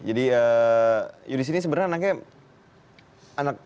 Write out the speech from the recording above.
jadi yudis ini sebenarnya anaknya